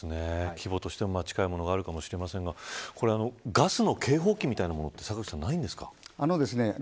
規模としては近いものがあるかもしれませんがガスの警報器ってものはないんですか。